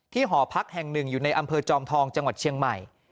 หอพักแห่งหนึ่งอยู่ในอำเภอจอมทองจังหวัดเชียงใหม่